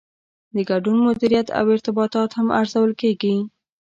د ګډون مدیریت او ارتباطات هم ارزول کیږي.